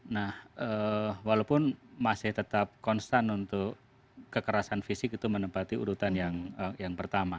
nah walaupun masih tetap konstan untuk kekerasan fisik itu menempati urutan yang pertama